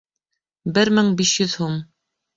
Бер мең биш йөҙ һум